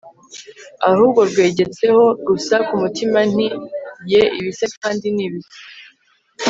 ahubwo rwegetseho gusa, kumutima nti yeeeh! ibi se kandi nibiki